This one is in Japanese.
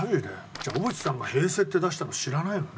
じゃあ小渕さんが「平成」って出したの知らないのね。